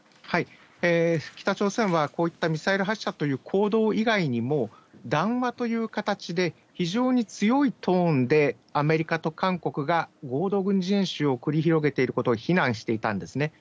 北朝鮮は、こういったミサイル発射という行動以外にも、談話という形で、非常に強いトーンで、アメリカと韓国が合同軍事演習を繰り広げていることを非難していたんですね。